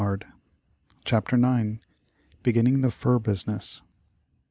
57 CHAPTER IX. BEGINNING THE FUR BUSINESS.